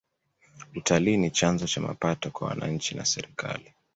utalii ni chanzo cha mapato kwa wananchi na serikali